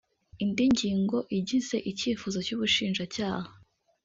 Indi ngingo igize icyifuzo cy’ubushinjacyaha